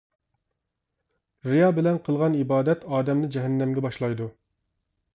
رىيا بىلەن قىلغان ئىبادەت ئادەمنى جەھەننەمگە باشلايدۇ.